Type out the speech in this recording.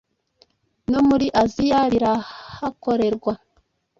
no muri Aziya birahakorerwa